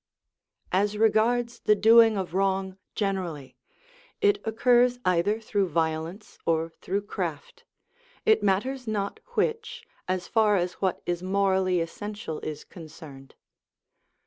As regards the doing of wrong generally, it occurs either through violence or through craft; it matters not which as far as what is morally essential is concerned.